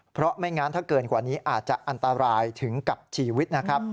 เพราะไม่งั้นถ้าเกินกว่านี้อาจจะอันตรายถึงกับชีวิตนะครับ